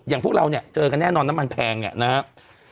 พวกเราเนี่ยเจอกันแน่นอนน้ำมันแพงเนี่ยนะครับ